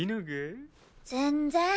全然！